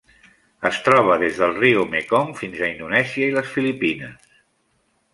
Es troba des del riu Mekong fins a Indonèsia i les Filipines.